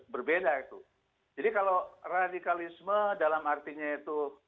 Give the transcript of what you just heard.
berbeda itu jadi kalau radikalisme dalam artinya itu